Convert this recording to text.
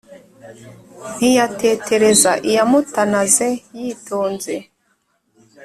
ntiyatetereza iyamutanaze yitonze